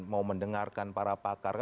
mau mendengarkan para pakar